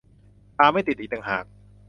ทาไม่ติดอีกต่างหาก